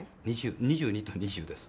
谷村：２２と２０です。